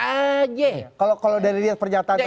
aja kalau dari lihat pernyataan tadi